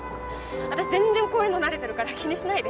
私全然こういうの慣れてるから気にしないで。